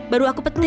baru aku petik